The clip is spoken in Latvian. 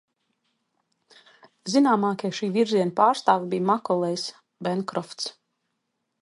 Zināmākie šī virziena pārstāvji bija Makolejs, Benkrofts.